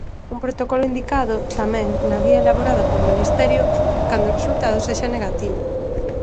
Un protocolo indicado, tamén, na guía elaborada polo Ministerio cando o resultado sexa negativo.